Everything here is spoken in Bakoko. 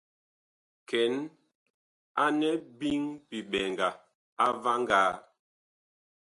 Kɛn anɛ biŋ biɓɛŋga a vaŋgaa.